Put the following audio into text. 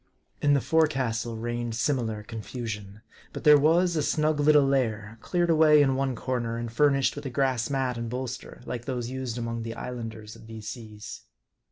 In the forecastle reigned similar confusion. But there was a snug little lair, cleared away in one corner, and fur nished with a grass mat and bolster, like those used among the Islanders of these seas.